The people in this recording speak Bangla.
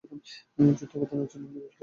যুদ্ধে অবদান রাখায় মিলিটারী ক্রস পান।